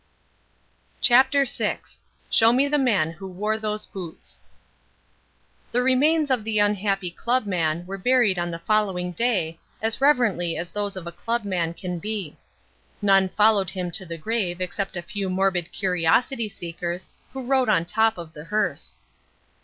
CHAPTER VI SHOW ME THE MAN WHO WORE THOSE BOOTS The remains of the unhappy club man were buried on the following day as reverently as those of a club man can be. None followed him to the grave except a few morbid curiosity seekers, who rode on top of the hearse.